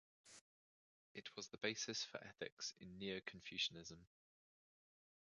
It was the basis for ethics in neo-Confucianism.